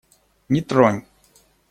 Не тронь!